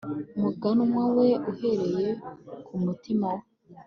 Muganwa we uhereye kumutima we